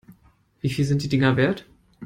Wie viel sind die Dinger wert?